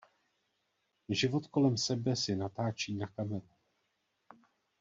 Život kolem sebe si natáčí na kameru.